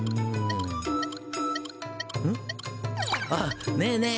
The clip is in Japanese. あっねえねえ！